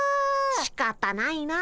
しかたないな。